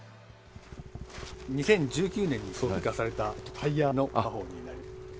−２０１９年に装備化されたタイヤの火砲になります。